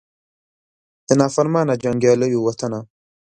د نافرمانه جنګیالو وطنه